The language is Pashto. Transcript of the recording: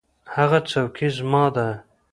هغه څوکۍ زما ده.